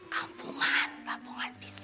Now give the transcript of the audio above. kampungan kampungan pisah